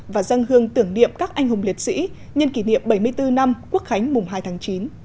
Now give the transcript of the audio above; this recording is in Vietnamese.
và dân hương tưởng niệm các anh hùng liệt sĩ nhân kỷ niệm bảy mươi bốn năm quốc khánh mùng hai tháng chín